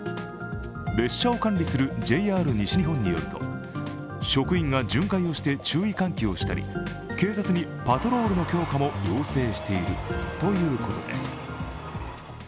列車を管理するＪＲ西日本によると職員が巡回をして注意喚起をして警察にパトロールの強化も要請しているということです。